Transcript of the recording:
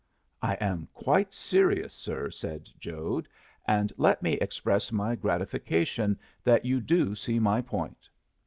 "I am quite serious, sir," said Jode. "And let me express my gratification that you do see my point."